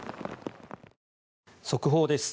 速報です。